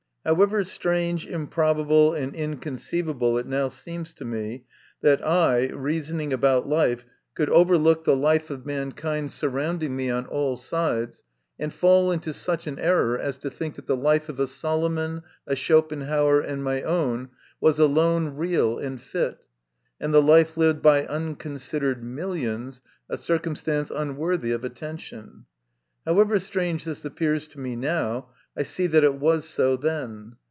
However strange, improbable, and incon ceivable it now seems to me, that I, reasoning about life, could overlook the life of mankind MY CONFESSION. 79 surrounding me on all sides, and fall into such an error as to think that the life of a Solomon, a Schopenhauer, and my own, was alone real and fit, and the life lived by unconsidered millions, a circumstance unworthy of attention however strange this appears to me now, I see that it was so then.